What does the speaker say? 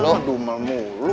loh du malu